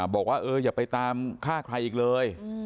บอกว่าเอออย่าไปตามฆ่าใครอีกเลย